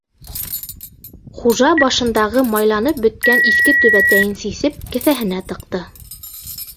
Хужа башындағы майланып бөткән иҫке түбәтәйен сисеп кеҫәһенә тыҡты.